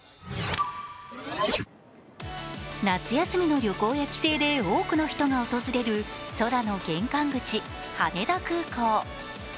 夏休みの旅行や帰省で多くの人が訪れる空の玄関口、羽田空港。